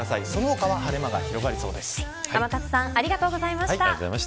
その他は天達さんありがとうございました。